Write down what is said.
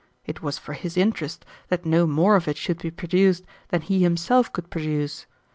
It was for his interest that no more of it should be produced than he himself could produce.